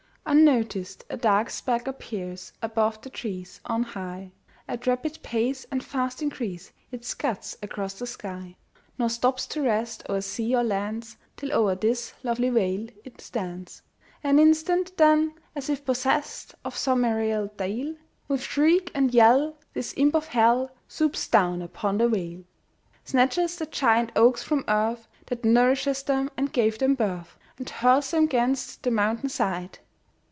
Unnoticed, a dark speck appears Above the trees! on high At rapid pace and fast increase It scuds across the sky! Nor stops to rest o'er sea or lands, Till o'er this lovely vale it stands An instant, then, as if possessed Of some aerial deil, With shriek and yell this imp of hell Swoops down upon the vale! Snatches the giant oaks from earth That nourished them and gave them birth, And hurls them 'gainst the mountain side!